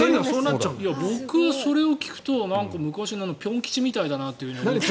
僕、それを聞くと昔のぴょん吉みたいだなって。